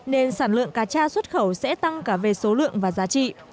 nên sản lượng cá cha xuất khẩu sẽ tăng cả về số lượng và giá trị